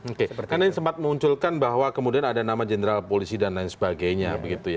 karena ini sempat munculkan bahwa kemudian ada nama jenderal polisi dan lain sebagainya